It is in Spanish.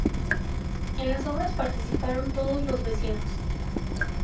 En las obras participaron todos los vecinos.